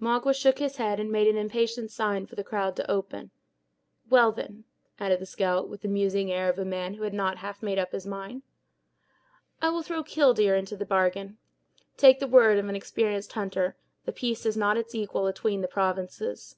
Magua shook his head, and made an impatient sign for the crowd to open. "Well, then," added the scout, with the musing air of a man who had not half made up his mind; "I will throw 'killdeer' into the bargain. Take the word of an experienced hunter, the piece has not its equal atween the provinces."